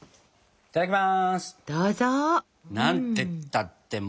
いただきます。